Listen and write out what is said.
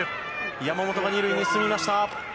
山本が２塁に進みました。